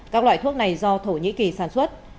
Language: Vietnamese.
các loại thuốc này do thổ nhĩ kỳ sản xuất